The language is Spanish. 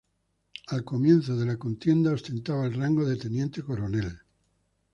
Al comienzo de la contienda ostentaba el rango de Teniente coronel.